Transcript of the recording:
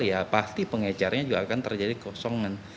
ya pasti pengecarnya juga akan terjadi kosongan